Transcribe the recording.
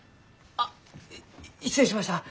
あっ失礼しました！